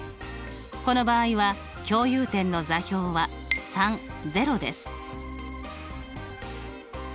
この場合は共有点の座標はです。